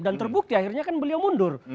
dan terbukti akhirnya kan beliau mundur